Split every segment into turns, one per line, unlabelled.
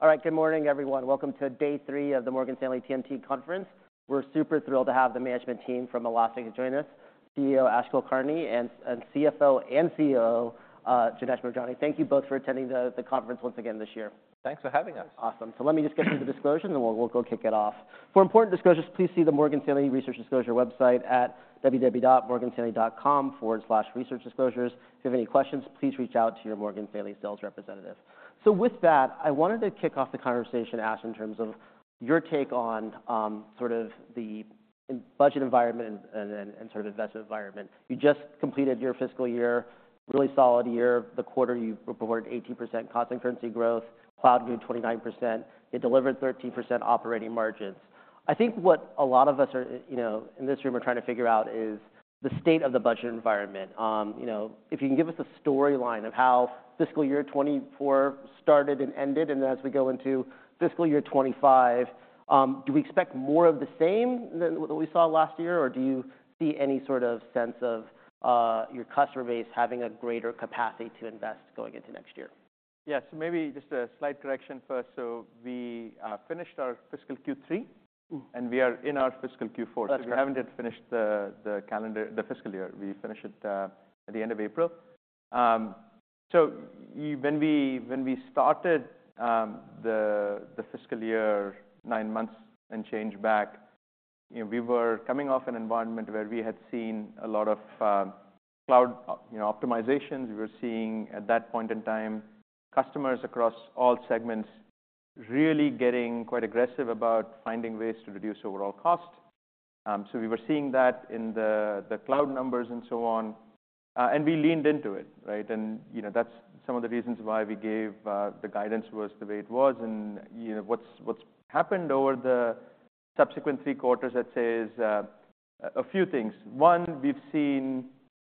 All right, good morning, everyone. Welcome to day three of the Morgan Stanley TMT Conference. We're super thrilled to have the management team from Elastic join us, CEO Ash Kulkarni, and CFO and COO Janesh Moorjani. Thank you both for attending the conference once again this year.
Thanks for having us.
Awesome. So let me just get through the disclosures and we'll go kick it off. For important disclosures, please see the Morgan Stanley Research Disclosure website at www.morganstanley.com/researchdisclosures. If you have any questions, please reach out to your Morgan Stanley sales representative. So with that, I wanted to kick off the conversation, Ash, in terms of your take on the budget environment and investment environment. You just completed your fiscal year, really solid year. The quarter, you reported 80% constant currency growth, cloud grew 29%, you delivered 13% operating margins. I think what a lot of us in this room are trying to figure out is the state of the budget environment. If you can give us a storyline of how fiscal year 2024 started and ended, and then as we go into fiscal year 2025, do we expect more of the same than what we saw last year, or do you see any sort of sense of your customer base having a greater capacity to invest going into next year?
Yeah, so maybe just a slight correction first. So we finished our fiscal Q3, and we are in our fiscal Q4. So we haven't yet finished the fiscal year. We finished it at the end of April. So when we started the fiscal year, nine months and change back, we were coming off an environment where we had seen a lot of cloud optimizations. We were seeing, at that point in time, customers across all segments really getting quite aggressive about finding ways to reduce overall cost. So we were seeing that in the cloud numbers and so on. And we leaned into it. And that's some of the reasons why we gave the guidance was the way it was. And what's happened over the subsequent three quarters, I'd say, is a few things. One, we've seen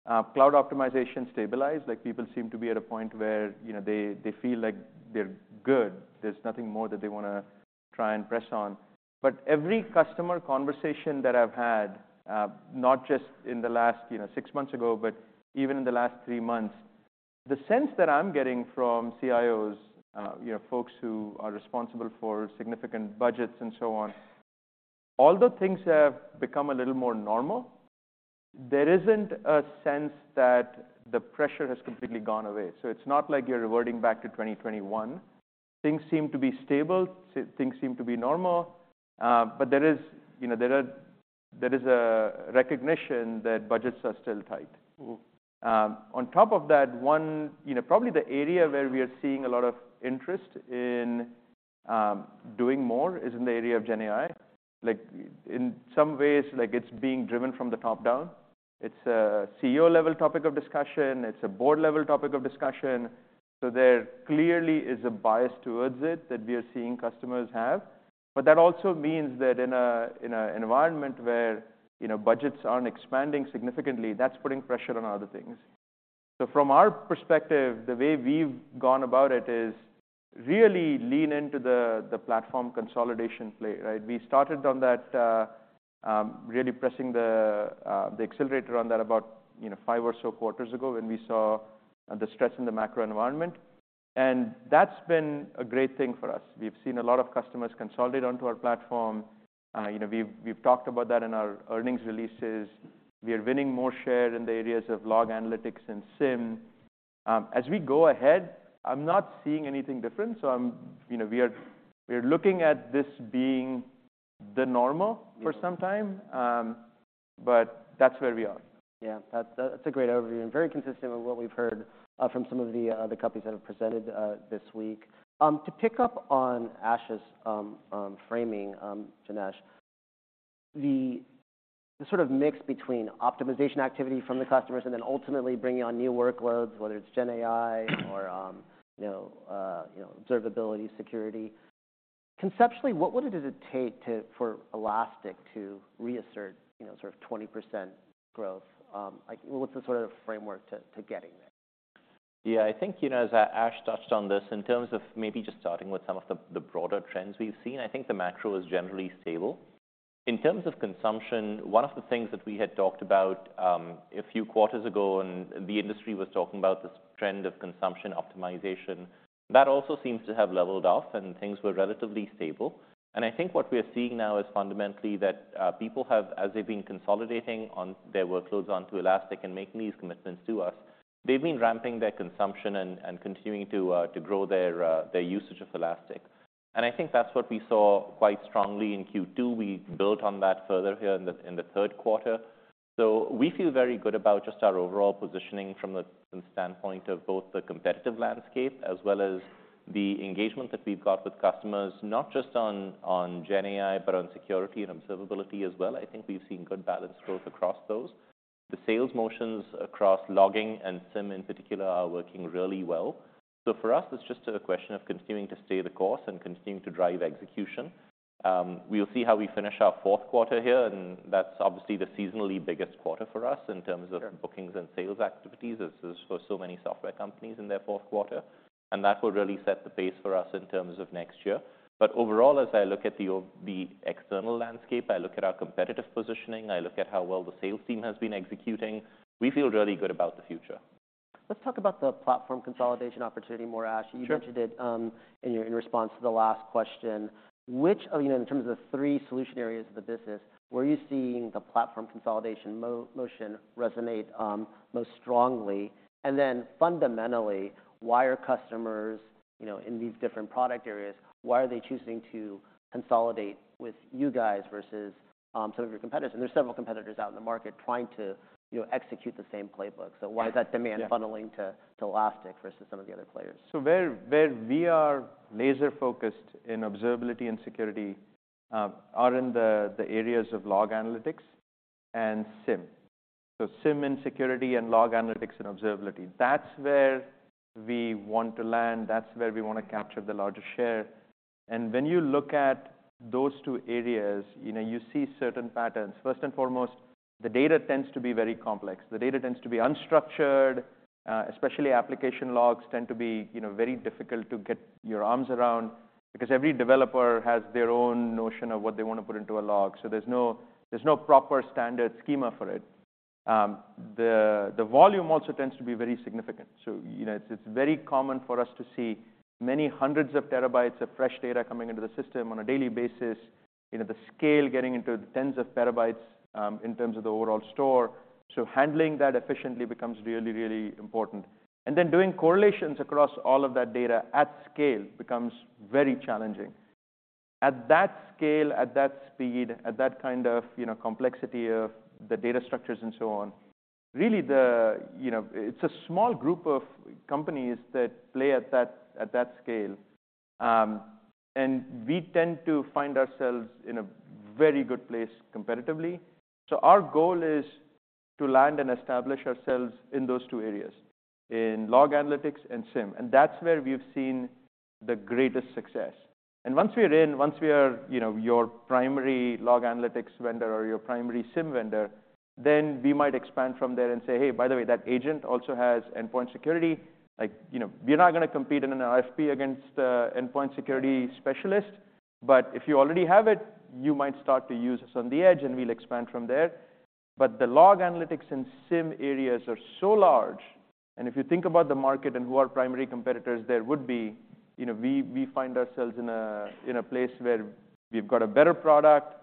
cloud optimization stabilize. People seem to be at a point where they feel like they're good. There's nothing more that they want to try and press on. But every customer conversation that I've had, not just in the last six months ago, but even in the last three months, the sense that I'm getting from CIOs, folks who are responsible for significant budgets and so on, although things have become a little more normal, there isn't a sense that the pressure has completely gone away. So it's not like you're reverting back to 2021. Things seem to be stable. Things seem to be normal. But there is a recognition that budgets are still tight. On top of that, probably the area where we are seeing a lot of interest in doing more is in the area of GenAI. In some ways, it's being driven from the top down. It's a CEO-level topic of discussion. It's a board-level topic of discussion. So there clearly is a bias towards it that we are seeing customers have. But that also means that in an environment where budgets aren't expanding significantly, that's putting pressure on other things. So from our perspective, the way we've gone about it is really lean into the platform consolidation play. We started on that, really pressing the accelerator on that about five or so quarters ago when we saw the stress in the macro environment. And that's been a great thing for us. We've seen a lot of customers consolidate onto our platform. We've talked about that in our earnings releases. We are winning more share in the areas of Log Analytics and SIEM. As we go ahead, I'm not seeing anything different. So we are looking at this being the normal for some time. But that's where we are.
Yeah, that's a great overview and very consistent with what we've heard from some of the companies that have presented this week. To pick up on Ash's framing, Janesh, the sort of mix between optimization activity from the customers and then ultimately bringing on new workloads, whether it's GenAI or observability, security, conceptually, what would it take for Elastic to reassert 20% growth? What's the sort of framework to getting there?
Yeah, I think as Ash touched on this, in terms of maybe just starting with some of the broader trends we've seen, I think the macro is generally stable. In terms of consumption, one of the things that we had talked about a few quarters ago, and the industry was talking about this trend of consumption optimization, that also seems to have leveled off, and things were relatively stable. And I think what we are seeing now is fundamentally that people have, as they've been consolidating their workloads onto Elastic and making these commitments to us, they've been ramping their consumption and continuing to grow their usage of Elastic. And I think that's what we saw quite strongly in Q2. We built on that further here in the third quarter. We feel very good about just our overall positioning from the standpoint of both the competitive landscape as well as the engagement that we've got with customers, not just on GenAI, but on security and observability as well. I think we've seen good balanced growth across those. The sales motions across logging and SIEM in particular are working really well. So for us, it's just a question of continuing to stay the course and continuing to drive execution. We'll see how we finish our fourth quarter here. That's obviously the seasonally biggest quarter for us in terms of bookings and sales activities, as is for so many software companies in their fourth quarter. That will really set the pace for us in terms of next year. Overall, as I look at the external landscape, I look at our competitive positioning, I look at how well the sales team has been executing, we feel really good about the future.
Let's talk about the platform consolidation opportunity more, Ash. You mentioned it in response to the last question. In terms of the three solution areas of the business, where are you seeing the platform consolidation motion resonate most strongly? And then fundamentally, why are customers in these different product areas, why are they choosing to consolidate with you guys versus some of your competitors? And there's several competitors out in the market trying to execute the same playbook. So why is that demand funneling to Elastic versus some of the other players?
So where we are laser-focused in Observability and Security are in the areas of Log Analytics and SIEM. So SIEM and Security and Log Analytics and Observability, that's where we want to land. That's where we want to capture the larger share. And when you look at those two areas, you see certain patterns. First and foremost, the data tends to be very complex. The data tends to be unstructured, especially application logs tend to be very difficult to get your arms around because every developer has their own notion of what they want to put into a log. So there's no proper standard schema for it. The volume also tends to be very significant. So it's very common for us to see many hundreds of terabytes of fresh data coming into the system on a daily basis, the scale getting into the tens of terabytes in terms of the overall store. So handling that efficiently becomes really, really important. And then doing correlations across all of that data at scale becomes very challenging. At that scale, at that speed, at that kind of complexity of the data structures and so on, really, it's a small group of companies that play at that scale. And we tend to find ourselves in a very good place competitively. So our goal is to land and establish ourselves in those two areas, in Log Analytics and SIEM. And that's where we've seen the greatest success. Once we're in, once we are your primary log analytics vendor or your primary SIEM vendor, then we might expand from there and say, hey, by the way, that agent also has endpoint security. We're not going to compete in an RFP against an endpoint security specialist. But if you already have it, you might start to use us on the edge, and we'll expand from there. But the Log Analytics and SIEM areas are so large. And if you think about the market and who our primary competitors there would be, we find ourselves in a place where we've got a better product.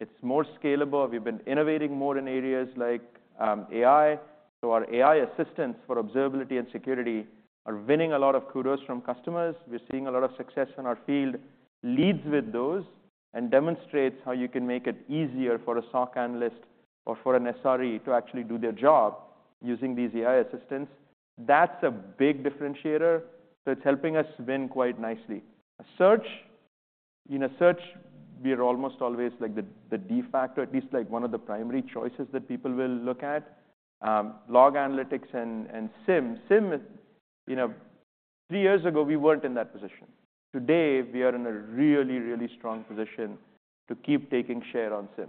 It's more scalable. We've been innovating more in areas like AI. So our AI assistants for observability and security are winning a lot of kudos from customers. We're seeing a lot of success in our field, leads with those, and demonstrates how you can make it easier for a SOC analyst or for an SRE to actually do their job using these AI assistants. That's a big differentiator. So it's helping us win quite nicely. Search, we are almost always the de facto at least one of the primary choices that people will look at. Log Analytics and SIEM, three years ago, we weren't in that position. Today, we are in a really, really strong position to keep taking share on SIEM.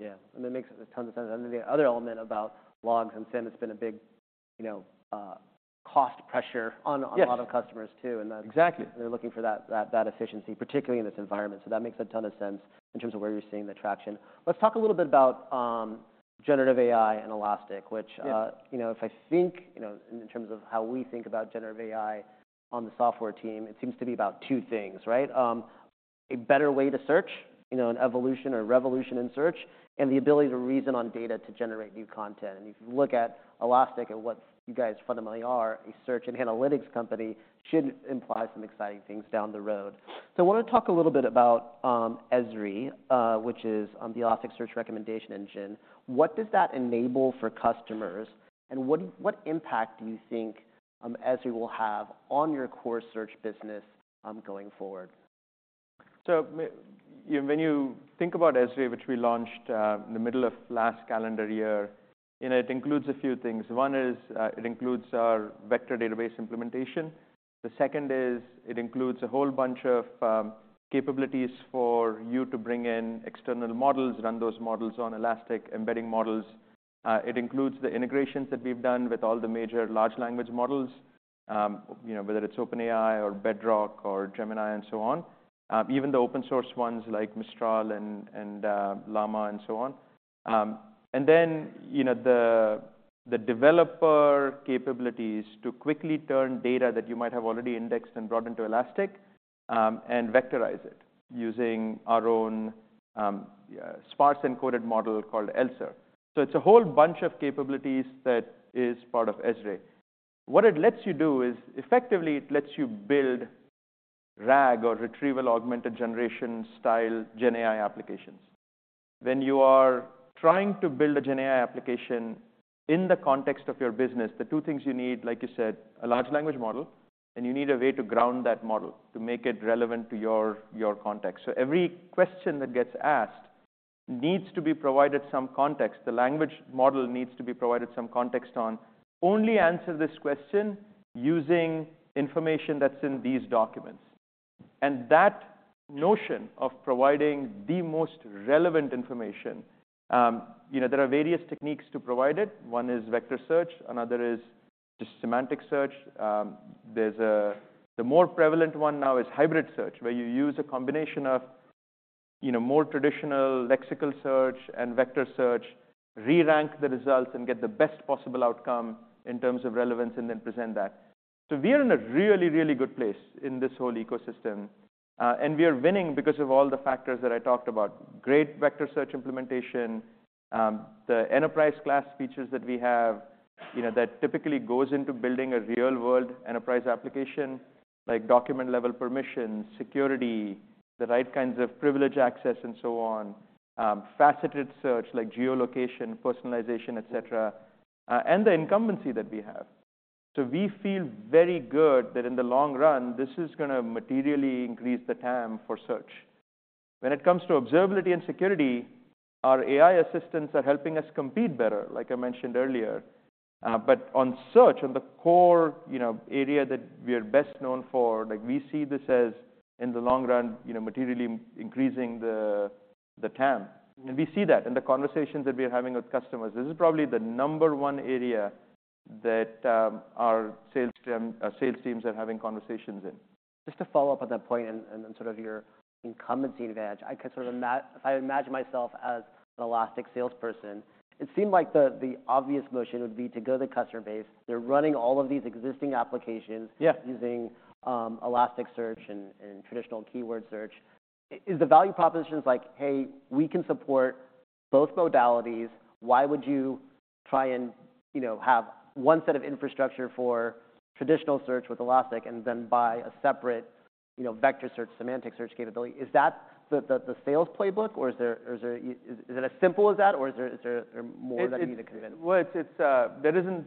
Yeah, and that makes tons of sense. And then the other element about logs and SIEM, it's been a big cost pressure on a lot of customers too. And they're looking for that efficiency, particularly in this environment. So that makes a ton of sense in terms of where you're seeing the traction. Let's talk a little bit about generative AI and Elastic, which if I think in terms of how we think about generative AI on the software team, it seems to be about two things: a better way to search, an evolution or revolution in search, and the ability to reason on data to generate new content. And if you look at Elastic and what you guys fundamentally are, a search and analytics company should imply some exciting things down the road. I want to talk a little bit about ESRE, which is the Elasticsearch Relevance Engine. What does that enable for customers? And what impact do you think ESRE will have on your core search business going forward?
So when you think about ESRE, which we launched in the middle of last calendar year, it includes a few things. One is it includes our vector database implementation. The second is it includes a whole bunch of capabilities for you to bring in external models, run those models on Elastic, embedding models. It includes the integrations that we've done with all the major large language models, whether it's OpenAI or Bedrock or Gemini and so on, even the open source ones like Mistral and Llama and so on. And then the developer capabilities to quickly turn data that you might have already indexed and brought into Elastic and vectorize it using our own sparse encoded model called ELSER. So it's a whole bunch of capabilities that is part of ESRE. What it lets you do is effectively, it lets you build RAG or Retrieval-Augmented Generation style GenAI applications. When you are trying to build a GenAI application in the context of your business, the two things you need, like you said, a large language model, and you need a way to ground that model to make it relevant to your context. So every question that gets asked needs to be provided some context. The language model needs to be provided some context on, only answer this question using information that's in these documents. And that notion of providing the most relevant information, there are various techniques to provide it. One is vector search. Another is just semantic search. The more prevalent one now is hybrid search, where you use a combination of more traditional lexical search and vector search, re-rank the results, and get the best possible outcome in terms of relevance, and then present that. So we are in a really, really good place in this whole ecosystem. And we are winning because of all the factors that I talked about: great vector search implementation, the enterprise-class features that we have that typically go into building a real-world enterprise application, like document-level permissions, security, the right kinds of privilege access, and so on, faceted search like geolocation, personalization, et cetera, and the incumbency that we have. So we feel very good that in the long run, this is going to materially increase the TAM for search. When it comes to observability and security, our AI assistants are helping us compete better, like I mentioned earlier. But on search, on the core area that we are best known for, we see this as in the long run materially increasing the TAM. And we see that in the conversations that we are having with customers. This is probably the number one area that our sales teams are having conversations in.
Just to follow up on that point and sort of your incumbency advantage, if I imagine myself as an Elastic salesperson, it seemed like the obvious motion would be to go to the customer base. They're running all of these existing applications using Elasticsearch and traditional keyword search. Is the value proposition like, hey, we can support both modalities? Why would you try and have one set of infrastructure for traditional search with Elastic and then buy a separate vector search, semantic search capability? Is that the sales playbook? Or is it as simple as that? Or is there more that needs a convincement?
Well, that isn't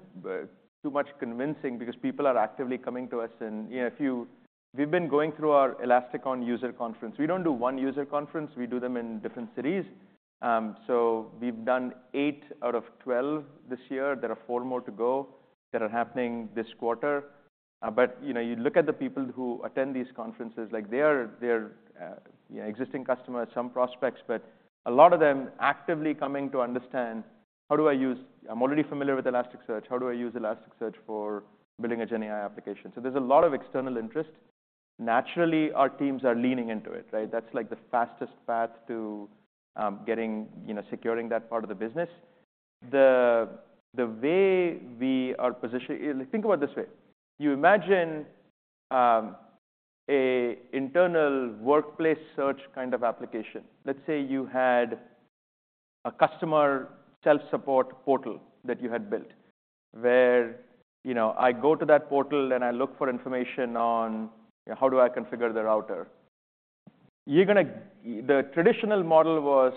too much convincing because people are actively coming to us. We've been going through our ElasticON user conference. We don't do one user conference. We do them in different cities. So we've done eight out of 12 this year. There are four more to go that are happening this quarter. But you look at the people who attend these conferences, they are existing customers, some prospects, but a lot of them actively coming to understand, how do I use. I'm already familiar with Elasticsearch. How do I use Elasticsearch for building a GenAI application? So there's a lot of external interest. Naturally, our teams are leaning into it. That's the fastest path to securing that part of the business. The way we are positioned, think about this way. You imagine an internal workplace search kind of application. Let's say you had a customer self-support portal that you had built, where I go to that portal, and I look for information on, "How do I configure the router?" The traditional model was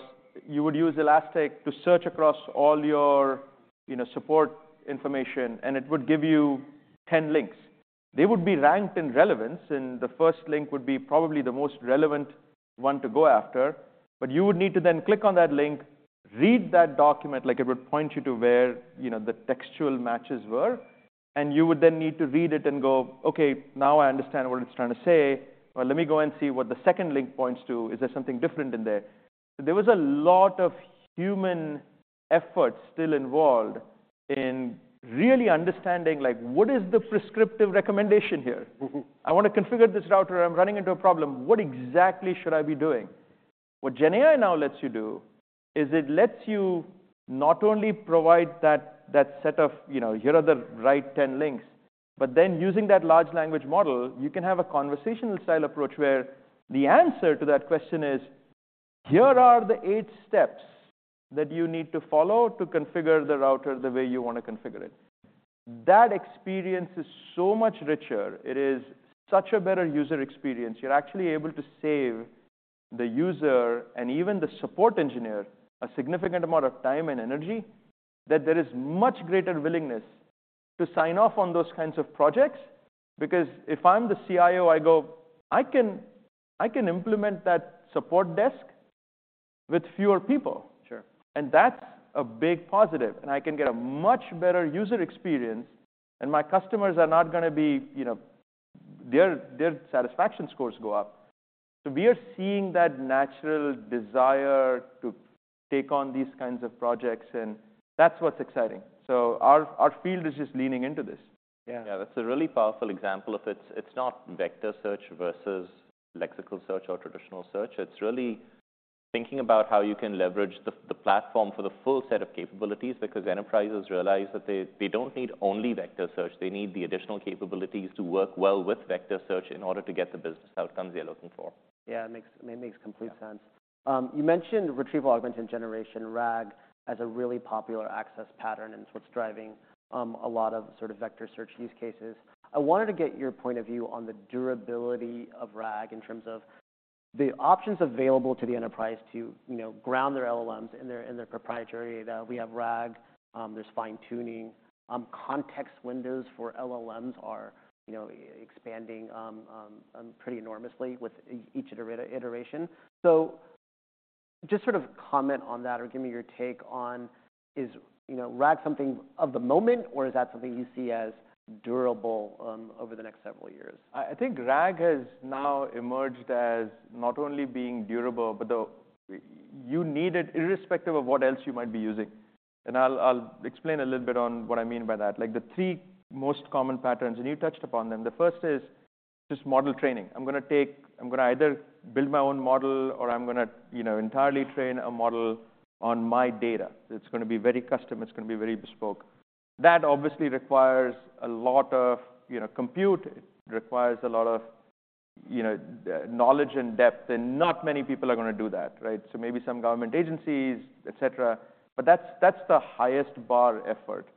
you would use Elastic to search across all your support information, and it would give you 10 links. They would be ranked in relevance. And the first link would be probably the most relevant one to go after. But you would need to then click on that link, read that document. It would point you to where the textual matches were. And you would then need to read it and go, "OK, now I understand what it's trying to say." Well, let me go and see what the second link points to. Is there something different in there? There was a lot of human effort still involved in really understanding, "What is the prescriptive recommendation here? I want to configure this router. I'm running into a problem. What exactly should I be doing? What GenAI now lets you do is it lets you not only provide that set of, here are the right 10 links, but then using that large language model, you can have a conversational style approach where the answer to that question is, here are the eight steps that you need to follow to configure the router the way you want to configure it. That experience is so much richer. It is such a better user experience. You're actually able to save the user and even the support engineer a significant amount of time and energy, that there is much greater willingness to sign off on those kinds of projects. Because if I'm the CIO, I go, I can implement that support desk with fewer people. And that's a big positive. I can get a much better user experience. My customers are not going to be. Their satisfaction scores go up. We are seeing that natural desire to take on these kinds of projects. That's what's exciting. Our field is just leaning into this.
Yeah, that's a really powerful example of it's not vector search versus lexical search or traditional search. It's really thinking about how you can leverage the platform for the full set of capabilities because enterprises realize that they don't need only vector search. They need the additional capabilities to work well with vector search in order to get the business outcomes they're looking for.
Yeah, it makes complete sense. You mentioned Retrieval-Augmented Generation, RAG, as a really popular access pattern. And it's what's driving a lot of vector search use cases. I wanted to get your point of view on the durability of RAG in terms of the options available to the enterprise to ground their LLMs in their proprietary data. We have RAG. There's fine-tuning. Context windows for LLMs are expanding pretty enormously with each iteration. So just sort of comment on that or give me your take on, is RAG something of the moment? Or is that something you see as durable over the next several years?
I think RAG has now emerged as not only being durable, but you need it irrespective of what else you might be using. And I'll explain a little bit on what I mean by that, the three most common patterns. And you touched upon them. The first is just model training. I'm going to either build my own model, or I'm going to entirely train a model on my data. It's going to be very custom. It's going to be very bespoke. That obviously requires a lot of compute. It requires a lot of knowledge and depth. And not many people are going to do that. So maybe some government agencies, et cetera. But that's the highest bar effort.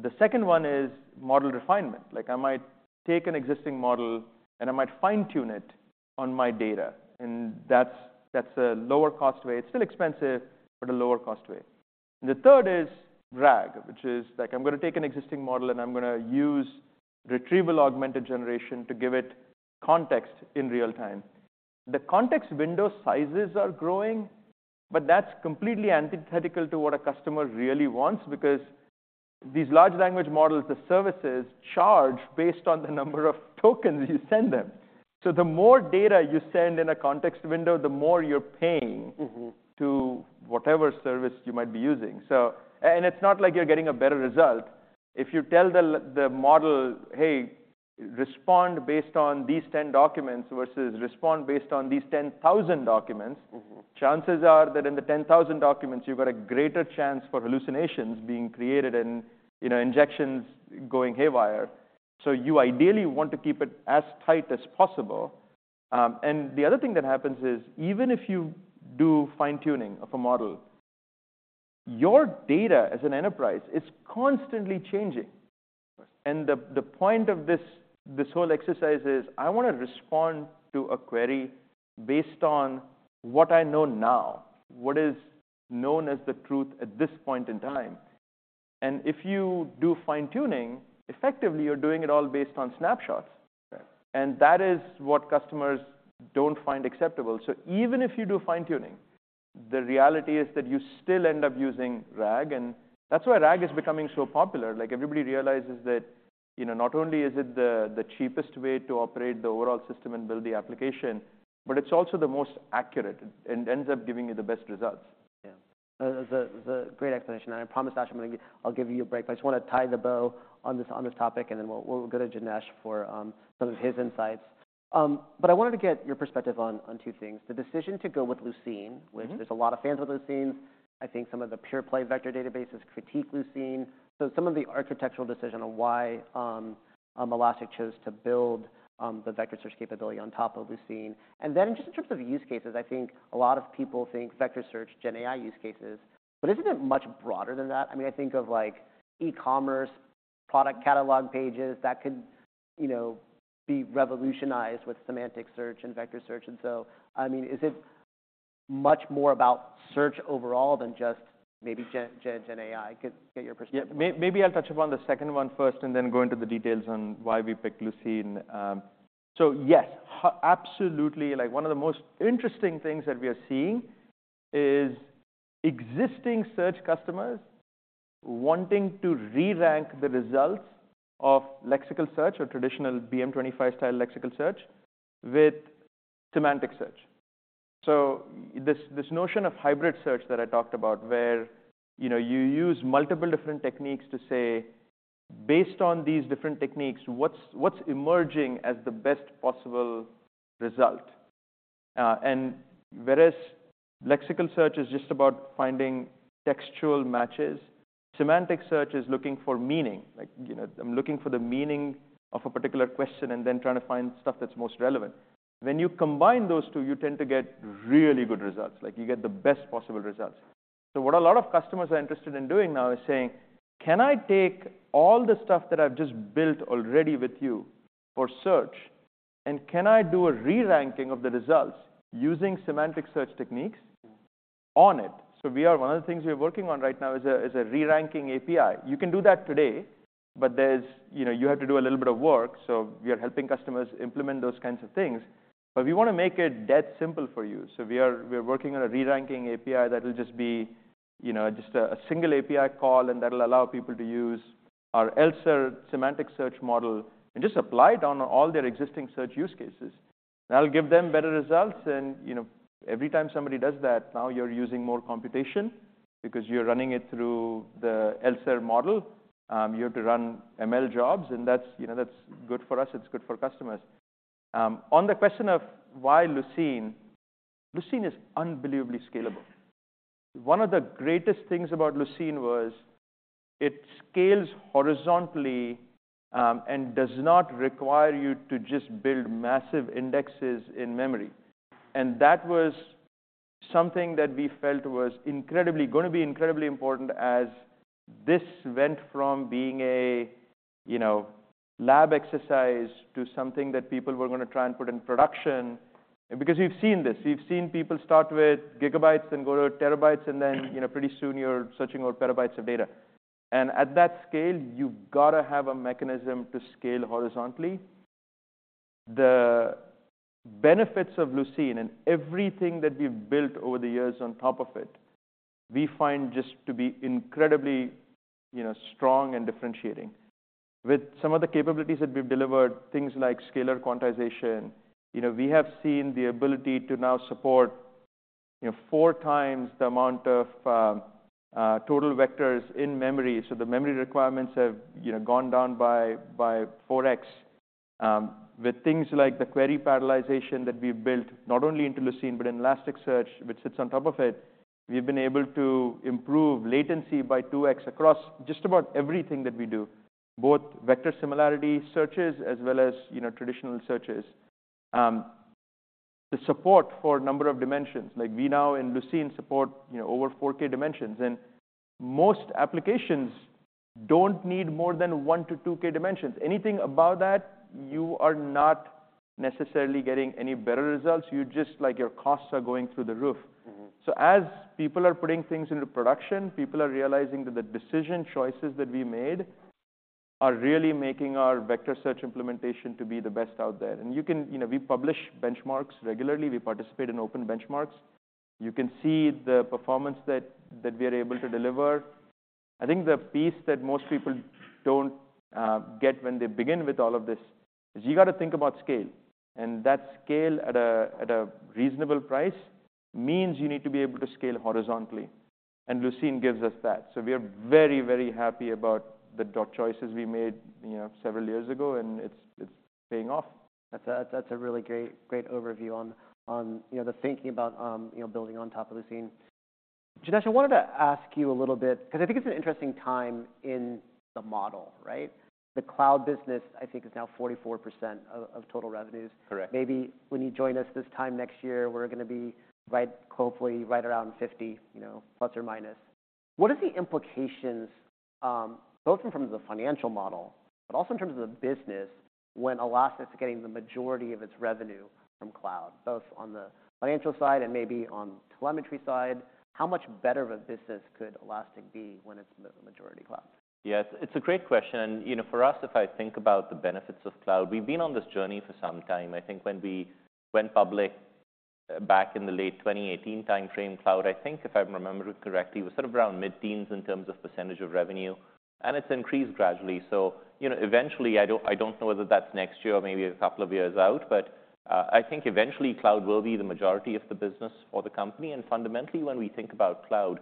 The second one is model refinement. I might take an existing model, and I might fine-tune it on my data. And that's a lower cost way. It's still expensive, but a lower cost way. The third is RAG, which is I'm going to take an existing model, and I'm going to use Retrieval-Augmented Generation to give it context in real time. The context window sizes are growing. But that's completely antithetical to what a customer really wants because these large language models, the services, charge based on the number of tokens you send them. So the more data you send in a context window, the more you're paying to whatever service you might be using. And it's not like you're getting a better result. If you tell the model, hey, respond based on these 10 documents versus respond based on these 10,000 documents, chances are that in the 10,000 documents, you've got a greater chance for hallucinations being created and injections going haywire. So you ideally want to keep it as tight as possible. And the other thing that happens is even if you do fine-tuning of a model, your data as an enterprise is constantly changing. And the point of this whole exercise is I want to respond to a query based on what I know now, what is known as the truth at this point in time. And if you do fine-tuning, effectively, you're doing it all based on snapshots. And that is what customers don't find acceptable. So even if you do fine-tuning, the reality is that you still end up using RAG. And that's why RAG is becoming so popular. Everybody realizes that not only is it the cheapest way to operate the overall system and build the application, but it's also the most accurate. And it ends up giving you the best results.
Yeah, that was a great explanation. And I promised, Ash, I'm going to give you a break. But I just want to tie the bow on this topic. And then we'll go to Janesh for some of his insights. But I wanted to get your perspective on two things: the decision to go with Lucene, which there's a lot of fans with Lucene. I think some of the pure-play vector databases critique Lucene. So some of the architectural decision on why Elastic chose to build the vector search capability on top of Lucene. And then just in terms of use cases, I think a lot of people think vector search, GenAI use cases. But isn't it much broader than that? I mean, I think of e-commerce product catalog pages that could be revolutionized with semantic search and vector search. Is it much more about search overall than just maybe GenAI? Get your perspective.
Yeah, maybe I'll touch upon the second one first, and then go into the details on why we picked Lucene. So yes, absolutely. One of the most interesting things that we are seeing is existing search customers wanting to re-rank the results of lexical search or traditional BM25-style lexical search with semantic search. So this notion of hybrid search that I talked about, where you use multiple different techniques to say, based on these different techniques, what's emerging as the best possible result? And whereas lexical search is just about finding textual matches, semantic search is looking for meaning. I'm looking for the meaning of a particular question and then trying to find stuff that's most relevant. When you combine those two, you tend to get really good results. You get the best possible results. So what a lot of customers are interested in doing now is saying, can I take all the stuff that I've just built already with you for search? And can I do a re-ranking of the results using semantic search techniques on it? So one of the things we are working on right now is a re-ranking API. You can do that today. But you have to do a little bit of work. So we are helping customers implement those kinds of things. But we want to make it dead simple for you. So we are working on a re-ranking API that will just be just a single API call. And that will allow people to use our ELSER semantic search model and just apply it on all their existing search use cases. That'll give them better results. Every time somebody does that, now you're using more computation because you're running it through the ELSER model. You have to run ML jobs. That's good for us. It's good for customers. On the question of why Lucene, Lucene is unbelievably scalable. One of the greatest things about Lucene was it scales horizontally and does not require you to just build massive indexes in memory. That was something that we felt was going to be incredibly important as this went from being a lab exercise to something that people were going to try and put in production. Because we've seen this. We've seen people start with gigabytes, then go to terabytes. Then pretty soon, you're searching over petabytes of data. At that scale, you've got to have a mechanism to scale horizontally. The benefits of Lucene and everything that we've built over the years on top of it, we find just to be incredibly strong and differentiating. With some of the capabilities that we've delivered, things like scalar quantization, we have seen the ability to now support 4x the amount of total vectors in memory. So the memory requirements have gone down by 4x. With things like the query parallelization that we've built, not only into Lucene, but in Elasticsearch, which sits on top of it, we've been able to improve latency by 2x across just about everything that we do, both vector similarity searches as well as traditional searches. The support for a number of dimensions. We now in Lucene support over 4K dimensions. Most applications don't need more than 1K-2K dimensions. Anything above that, you are not necessarily getting any better results. Your costs are going through the roof. So as people are putting things into production, people are realizing that the decision choices that we made are really making our vector search implementation to be the best out there. And we publish benchmarks regularly. We participate in open benchmarks. You can see the performance that we are able to deliver. I think the piece that most people don't get when they begin with all of this is you've got to think about scale. And that scale at a reasonable price means you need to be able to scale horizontally. And Lucene gives us that. So we are very, very happy about the choices we made several years ago. And it's paying off.
That's a really great overview on the thinking about building on top of Lucene. Janesh, I wanted to ask you a little bit because I think it's an interesting time in the model. The cloud business, I think, is now 44% of total revenues. Maybe when you join us this time next year, we're going to be hopefully right around 50% plus or minus. What are the implications, both in terms of the financial model, but also in terms of the business, when Elastic's getting the majority of its revenue from cloud, both on the financial side and maybe on the telemetry side? How much better of a business could Elastic be when it's majority cloud?
Yeah, it's a great question. For us, if I think about the benefits of cloud, we've been on this journey for some time. I think when we went public back in the late 2018 time frame, cloud, I think if I remember correctly, was sort of around mid-teens in terms of percentage of revenue. It's increased gradually. Eventually, I don't know whether that's next year or maybe a couple of years out. I think eventually, cloud will be the majority of the business for the company. Fundamentally, when we think about cloud,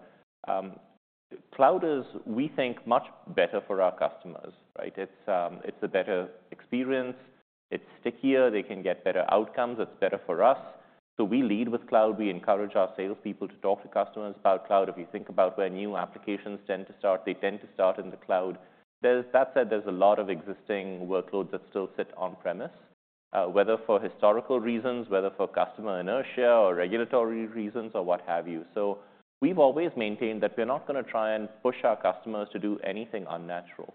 cloud is, we think, much better for our customers. It's a better experience. It's stickier. They can get better outcomes. It's better for us. We lead with cloud. We encourage our salespeople to talk to customers about cloud. If you think about where new applications tend to start, they tend to start in the cloud. That said, there's a lot of existing workloads that still sit on-premise, whether for historical reasons, whether for customer inertia or regulatory reasons, or what have you. So we've always maintained that we're not going to try and push our customers to do anything unnatural.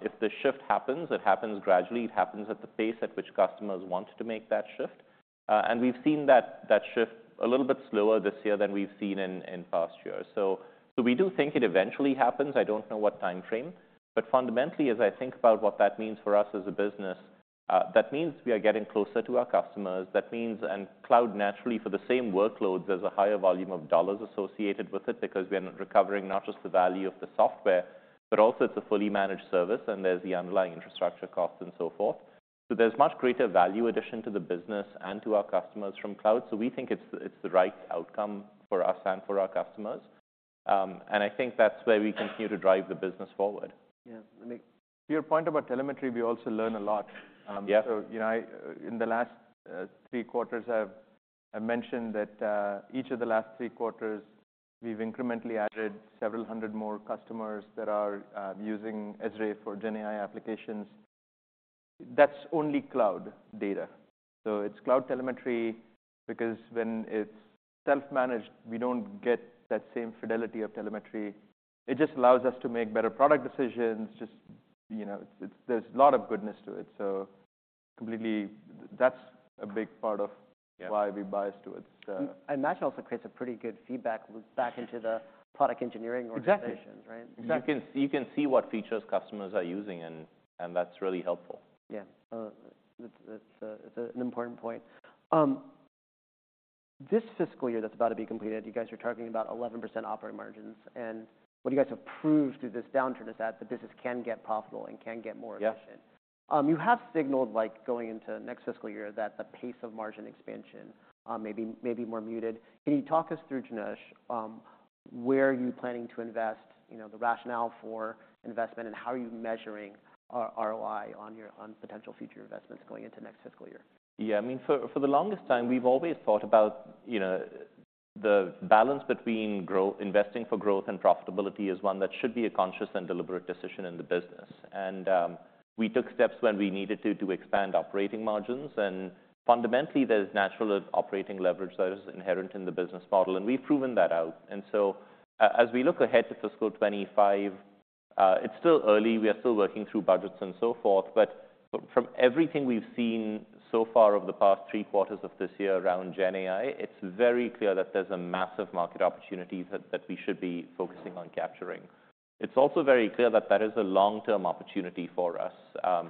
If the shift happens, it happens gradually. It happens at the pace at which customers want to make that shift. We've seen that shift a little bit slower this year than we've seen in past years. So we do think it eventually happens. I don't know what time frame. But fundamentally, as I think about what that means for us as a business, that means we are getting closer to our customers. Cloud, naturally, for the same workloads as a higher volume of dollars associated with it because we are recovering not just the value of the software, but also it's a fully managed service. And there's the underlying infrastructure costs and so forth. So there's much greater value addition to the business and to our customers from cloud. So we think it's the right outcome for us and for our customers. And I think that's where we continue to drive the business forward.
Yeah, to your point about telemetry, we also learn a lot. So in the last three quarters, I've mentioned that each of the last three quarters, we've incrementally added several hundred more customers that are using ESRE for GenAI applications. That's only cloud data. So it's cloud telemetry. Because when it's self-managed, we don't get that same fidelity of telemetry. It just allows us to make better product decisions. There's a lot of goodness to it. So completely, that's a big part of why we bias to it.
Match also creates a pretty good feedback loop back into the product engineering organizations.
Exactly. You can see what features customers are using. And that's really helpful.
Yeah, that's an important point. This fiscal year that's about to be completed, you guys are talking about 11% operating margins. What you guys have proved through this downturn is that the business can get profitable and can get more efficient. You have signaled going into next fiscal year that the pace of margin expansion may be more muted. Can you talk us through, Janesh, where you're planning to invest, the rationale for investment, and how are you measuring ROI on potential future investments going into next fiscal year?
Yeah, I mean, for the longest time, we've always thought about the balance between investing for growth and profitability as one that should be a conscious and deliberate decision in the business. And we took steps when we needed to to expand operating margins. And fundamentally, there's natural operating leverage that is inherent in the business model. And we've proven that out. And so as we look ahead to fiscal 2025, it's still early. We are still working through budgets and so forth. But from everything we've seen so far over the past three quarters of this year around GenAI, it's very clear that there's a massive market opportunity that we should be focusing on capturing. It's also very clear that that is a long-term opportunity for us.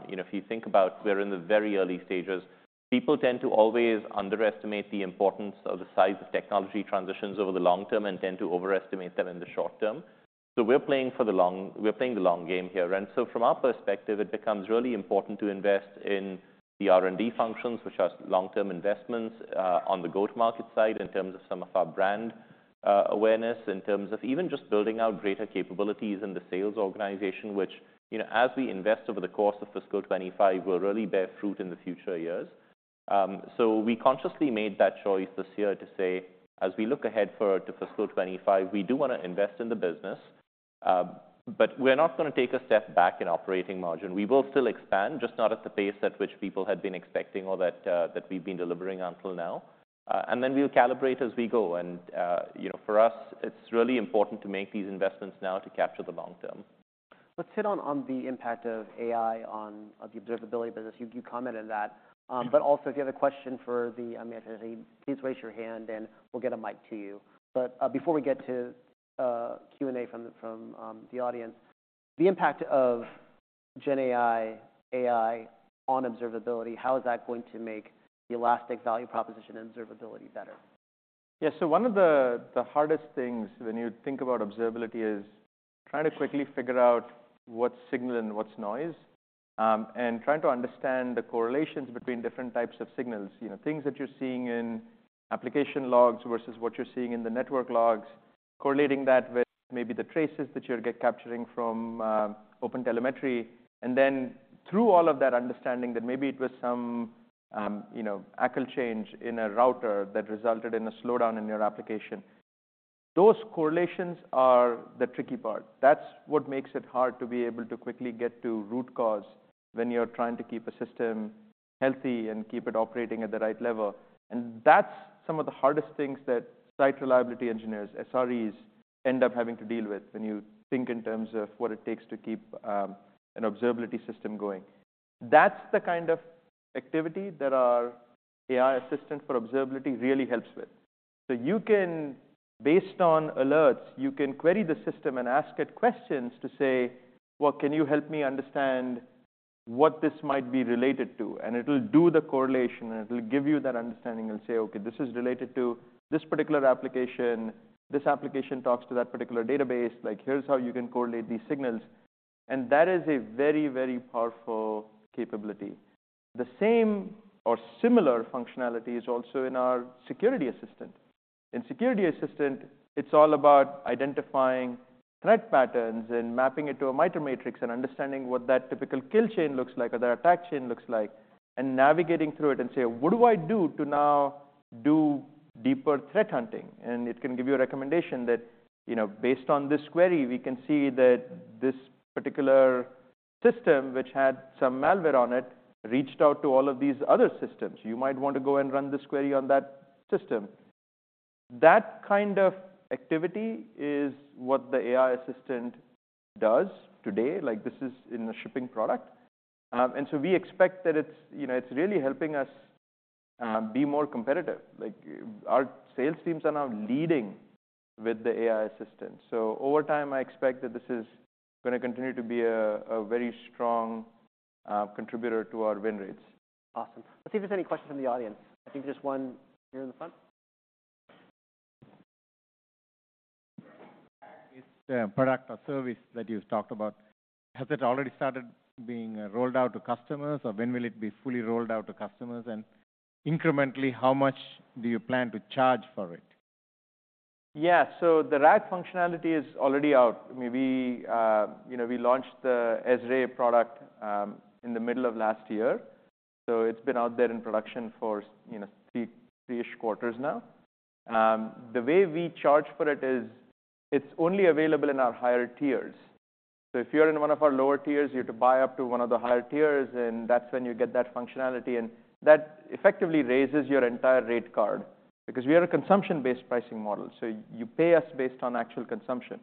If you think about, we're in the very early stages. People tend to always underestimate the importance of the size of technology transitions over the long term and tend to overestimate them in the short term. So we're playing the long game here. And so from our perspective, it becomes really important to invest in the R&D functions, which are long-term investments on the go-to-market side in terms of some of our brand awareness, in terms of even just building out greater capabilities in the sales organization, which, as we invest over the course of fiscal 2025, will really bear fruit in the future years. So we consciously made that choice this year to say, as we look ahead to fiscal 2025, we do want to invest in the business. But we're not going to take a step back in operating margin. We will still expand, just not at the pace at which people had been expecting or that we've been delivering until now. And then we'll calibrate as we go. And for us, it's really important to make these investments now to capture the long term.
Let's hit on the impact of AI on the observability business. You commented on that. But also, if you have a question for the, please raise your hand. And we'll get a mic to you. But before we get to Q&A from the audience, the impact of GenAI AI on observability, how is that going to make the Elastic value proposition and observability better?
Yeah, so one of the hardest things when you think about observability is trying to quickly figure out what's signal and what's noise and trying to understand the correlations between different types of signals, things that you're seeing in application logs versus what you're seeing in the network logs, correlating that with maybe the traces that you're capturing from OpenTelemetry. And then through all of that understanding that maybe it was some ACL change in a router that resulted in a slowdown in your application, those correlations are the tricky part. That's what makes it hard to be able to quickly get to root cause when you're trying to keep a system healthy and keep it operating at the right level. That's some of the hardest things that site reliability engineers, SREs, end up having to deal with when you think in terms of what it takes to keep an observability system going. That's the kind of activity that our AI assistant for observability really helps with. Based on alerts, you can query the system and ask it questions to say, well, can you help me understand what this might be related to? And it'll do the correlation. And it'll give you that understanding. It'll say, OK, this is related to this particular application. This application talks to that particular database. Here's how you can correlate these signals. And that is a very, very powerful capability. The same or similar functionality is also in our security assistant. In security assistant, it's all about identifying threat patterns and mapping it to a MITRE matrix and understanding what that typical kill chain looks like or that attack chain looks like and navigating through it and say, what do I do to now do deeper threat hunting? And it can give you a recommendation that based on this query, we can see that this particular system, which had some malware on it, reached out to all of these other systems. You might want to go and run this query on that system. That kind of activity is what the AI assistant does today. This is in a shipping product. And so we expect that it's really helping us be more competitive. Our sales teams are now leading with the AI assistant. So over time, I expect that this is going to continue to be a very strong contributor to our win rates.
Awesome. Let's see if there's any questions from the audience. I think there's one here in the front.
It's a product or service that you've talked about. Has it already started being rolled out to customers? Or when will it be fully rolled out to customers? And incrementally, how much do you plan to charge for it?
Yeah. So the RAG functionality is already out. We launched the ESRE product in the middle of last year. So it's been out there in production for three-ish quarters now. The way we charge for it is it's only available in our higher tiers. So if you're in one of our lower tiers, you have to buy up to one of the higher tiers. And that's when you get that functionality. And that effectively raises your entire rate card because we are a consumption-based pricing model. So you pay us based on actual consumption.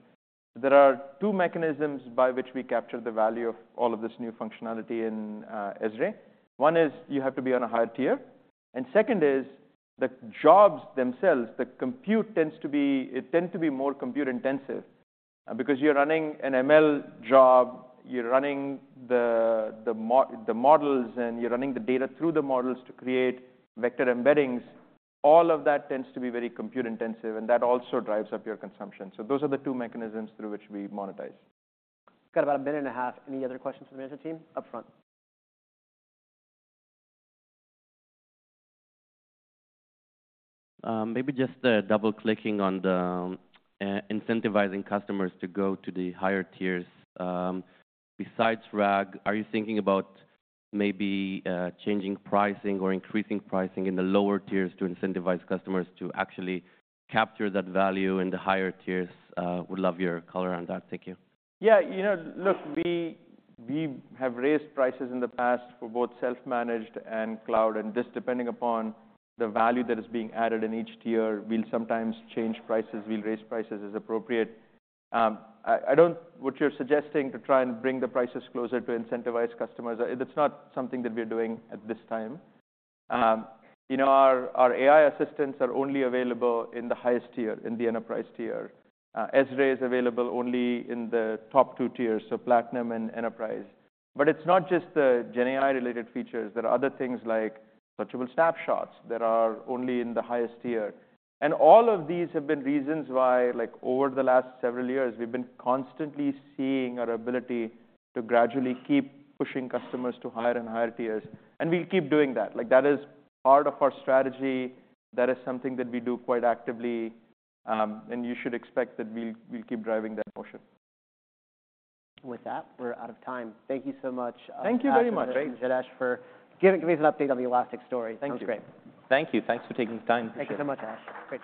There are two mechanisms by which we capture the value of all of this new functionality in ESRE. One is you have to be on a higher tier. And second is the jobs themselves, the compute tends to be more compute intensive because you're running an ML job. You're running the models. You're running the data through the models to create vector embeddings. All of that tends to be very compute intensive. That also drives up your consumption. Those are the two mechanisms through which we monetize.
Got about a minute and a half. Any other questions for the management team up front?
Maybe just double-clicking on the incentivizing customers to go to the higher tiers. Besides RAG, are you thinking about maybe changing pricing or increasing pricing in the lower tiers to incentivize customers to actually capture that value in the higher tiers? Would love your color on that. Thank you.
Yeah, look, we have raised prices in the past for both self-managed and cloud. And just depending upon the value that is being added in each tier, we'll sometimes change prices. We'll raise prices as appropriate. What you're suggesting, to try and bring the prices closer to incentivize customers, it's not something that we're doing at this time. Our AI assistants are only available in the highest tier, in the Enterprise tier. ESRE is available only in the top two tiers, so Platinum and Enterprise. But it's not just the GenAI-related features. There are other things like Searchable Snapshots that are only in the highest tier. And all of these have been reasons why, over the last several years, we've been constantly seeing our ability to gradually keep pushing customers to higher and higher tiers. And we'll keep doing that. That is part of our strategy. That is something that we do quite actively. You should expect that we'll keep driving that motion.
With that, we're out of time. Thank you so much, Janesh, for giving us an update on the Elastic story. Sounds great.
Thank you. Thanks for taking the time.
Thank you so much, Ash.